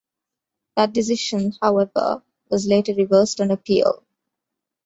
That decision, however, was later reversed on appeal.